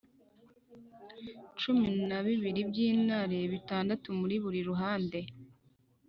cumi na bibiri by intare bitandatu muri buri ruhande